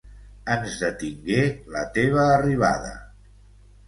Ens detingué la teva arribada.